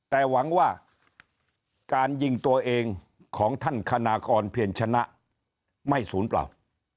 แต่หวังว่าการยิงตัวเองของท่านคณากรเพียรชนะไม่ศูนย์เปล่า